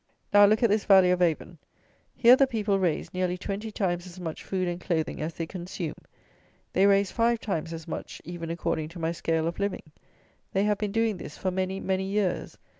Now, look at this Valley of Avon. Here the people raise nearly twenty times as much food and clothing as they consume. They raise five times as much, even according to my scale of living. They have been doing this for many, many years.